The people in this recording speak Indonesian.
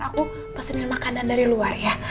aku pesennya makanan dari luar ya